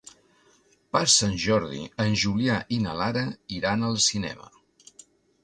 Per Sant Jordi en Julià i na Lara iran al cinema.